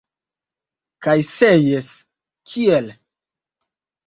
Kaj se jes, kiel?